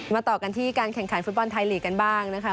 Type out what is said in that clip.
ต่อกันที่การแข่งขันฟุตบอลไทยลีกกันบ้างนะคะ